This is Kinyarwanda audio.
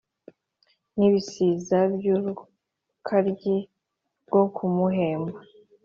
N'ibisiza by'Urukaryi bwo kumuhemba